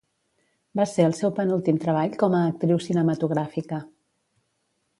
Va ser el seu penúltim treball com a actriu cinematogràfica.